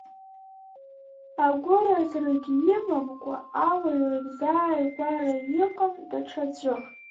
Агәыразрагьы имамкәа, ауаҩрагь зааигәара иҟам даҽаӡәых…